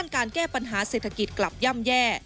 การแก้ปัญหาเศรษฐกิจกลับย่ำแย่